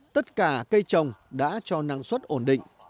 tất cả cây trồng đã cho năng suất ổn định